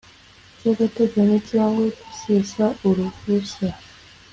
By Agateganyo Cyangwa Gusesa Uruhushya